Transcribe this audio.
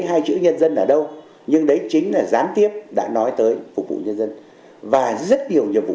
hai chữ nhân dân ở đâu nhưng đấy chính là gián tiếp đã nói tới phục vụ nhân dân và rất nhiều nhiệm vụ